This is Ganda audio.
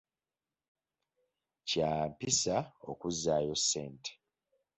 Kya mpisa okuzzaayo ssente